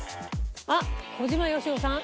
あっ小島よしおさん。